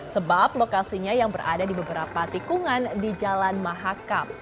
sebab lokasinya yang berada di beberapa tikungan di jalan mahakam